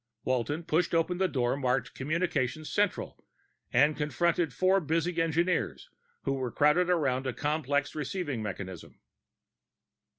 Walton pushed open a door marked Communications Central and confronted four busy engineers who were crowded around a complex receiving mechanism.